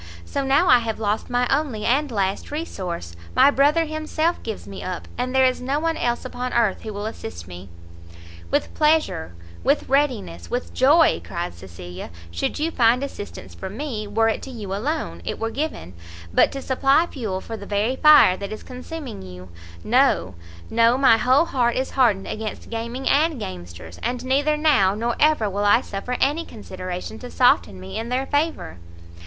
so now I have lost my only and last resource, my brother himself gives me up, and there is no one else upon earth who will assist me!" "With pleasure, with readiness, with joy," cried Cecilia, "should you find assistance from me, were it to you alone it were given; but to supply fuel for the very fire that is consuming you no, no, my whole heart is hardened against gaming and gamesters, and neither now nor ever will I suffer any consideration to soften me in their favour."